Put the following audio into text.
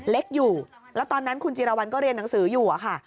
เล็กอยู่แล้วตอนนั้นคุณจิรวรรณก็เรียนหนังสืออยู่อะค่ะ